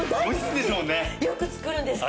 よく作るんですけど。